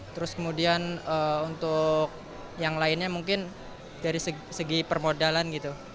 terus kemudian untuk yang lainnya mungkin dari segi permodalan gitu